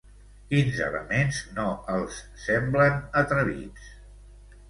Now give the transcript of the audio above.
Quins elements no els semblen atrevits?